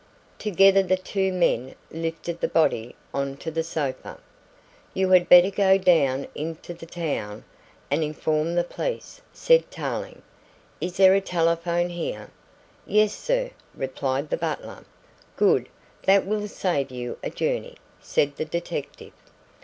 Together the two men lifted the body on to the sofa. "You had better go down into the town and inform the police," said Tarling. "Is there a telephone here?" "Yes, sir," replied the butler. "Good, that will save you a journey," said the detective.